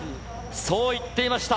そう言っていました。